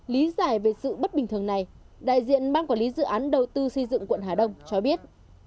lý giải về sự bất bình thường này đại diện ban quản lý dự án đầu tư xây dựng quận hà đông cho biết